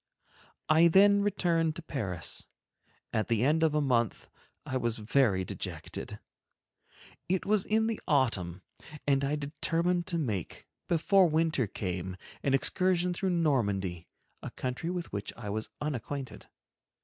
I then returned to Paris. At the end of a month I was very dejected. It was in the autumn, and I determined to make, before winter came, an excursion through Normandy, a country with which I was unacquainted.